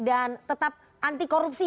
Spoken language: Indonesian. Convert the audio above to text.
dan tetap anti korupsi